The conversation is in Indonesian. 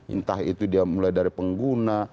entah itu dia mulai dari pengguna